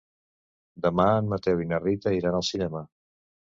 Demà en Mateu i na Rita iran al cinema.